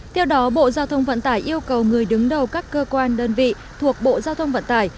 theo đó bộ giao thông vận tải yêu cầu người đứng đầu các cơ quan đơn vị thuộc bộ giao thông vận tải